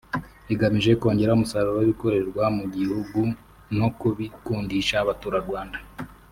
igamije kongera umusaruro w’ibikorerwa mu gihugu no kubikundisha Abaturarwanda